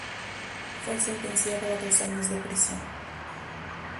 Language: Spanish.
Fue sentenciado a dos años de prisión.